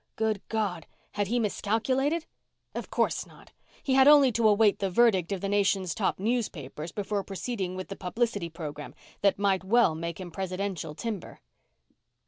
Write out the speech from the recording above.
Good God! Had he miscalculated? Of course not. He had only to await the verdict of the nation's top newspapers before proceeding with the publicity program that might well make him presidential timber.